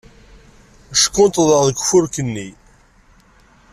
Ckunṭḍeɣ deg ufurk-nni.